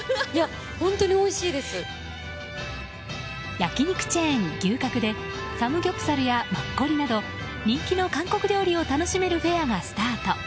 焼き肉チェーン牛角でサムギョプサルやマッコリなど人気の韓国料理を楽しめるフェアがスタート。